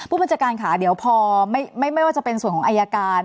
ผู้บัญชาการค่ะเดี๋ยวพอไม่ว่าจะเป็นส่วนของอายการ